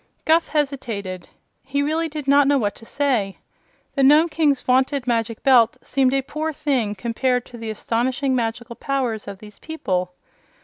Guph hesitated. He really did not know what to say. The Nome King's vaunted Magic Belt seemed a poor thing compared to the astonishing magical powers of these people.